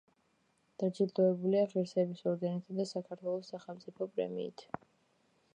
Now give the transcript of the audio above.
დაჯილდოებულია ღირსების ორდენითა და საქართველოს სახელმწიფო პრემიით.